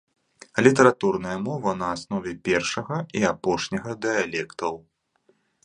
Літаратурная мова на аснове першага і апошняга дыялектаў.